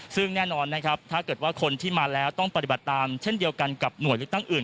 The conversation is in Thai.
ซึ่งแน่นอนนะครับถ้าเกิดว่าคนที่มาแล้วต้องปฏิบัติตามเช่นเดียวกันกับหน่วยเลือกตั้งอื่น